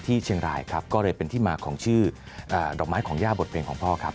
เชียงรายครับก็เลยเป็นที่มาของชื่อดอกไม้ของย่าบทเพลงของพ่อครับ